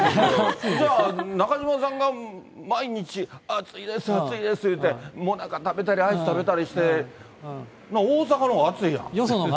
じゃあ、中島さんが毎日、暑いです、暑いです言うて、もなか食べたり、アイス食べたりして、大阪のほうが暑いやん。